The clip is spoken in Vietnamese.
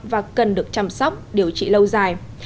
và cần được chăm sóc điều trị lâu dài